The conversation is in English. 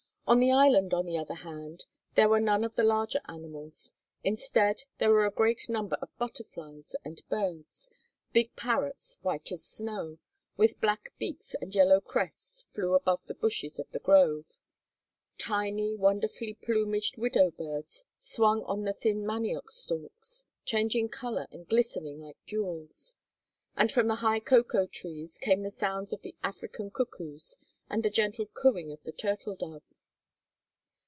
On the "island," on the other hand, there were none of the larger animals; instead there were a great number of butterflies and birds. Big parrots, white as snow, with black beaks and yellow crests flew above the bushes of the grove; tiny, wonderfully plumaged widow birds swung on the thin manioc stalks, changing color and glittering like jewels, and from the high cocoa trees came the sounds of the African cuckoos and the gentle cooing of the turtle dove.